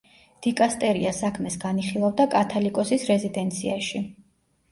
დიკასტერია საქმეს განიხილავდა კათალიკოსის რეზიდენციაში.